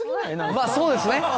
まっそうですね